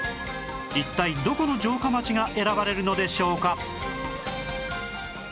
一体どこの城下町が選ばれるのでしょうか？